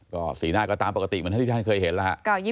ก็สีหน้าก็ตามปกติเหมือนท่านที่ท่านเคยเห็นแล้วฮะ